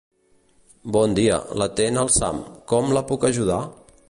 Bon dia, l'atén el Sam, com la puc ajudar?